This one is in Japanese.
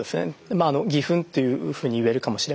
まあ義憤というふうにいえるかもしれませんね。